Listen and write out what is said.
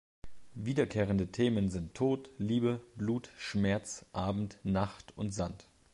Wiederkehrende Themen sind Tod, Liebe, Blut, Schmerz, Abend, Nacht und Sand.